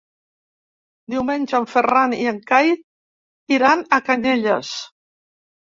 Diumenge en Ferran i en Cai iran a Canyelles.